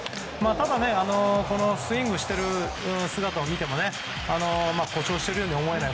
ただ、このスイングしている姿を見ても故障しているようには見えない。